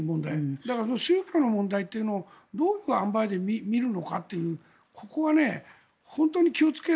だから、宗教の問題というのをどういうあんばいで見るのかというここは本当に気をつけて